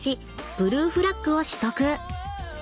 ブルーフラッグを取得］